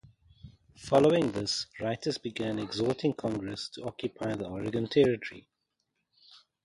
Following this, writers began exhorting Congress to occupy the Oregon Territory.